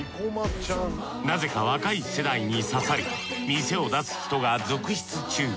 なぜか若い世代に刺さり店を出す人が続出中。